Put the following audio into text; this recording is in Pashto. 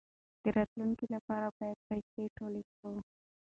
د راتلونکي لپاره باید پیسې ټولې کړو.